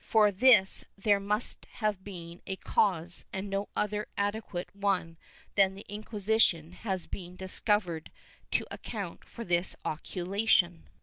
For this there nmst have been a cause and no other adequate one than the Inquisition has been discovered to account for this occultation.